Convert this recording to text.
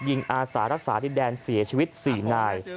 อาสารักษาดินแดนเสียชีวิต๔นาย